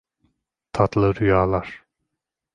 Tatlı rüyalar.